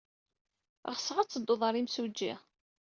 Ɣseɣ ad teddud ɣer yimsujji.